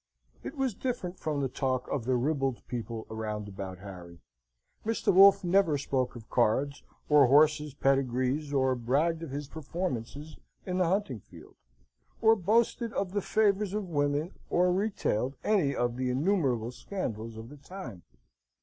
It was different from the talk of the ribald people round about Harry. Mr. Wolfe never spoke of cards, or horses' pedigrees; or bragged of his performances in the hunting field; or boasted of the favours of women; or retailed any of the innumerable scandals of the time.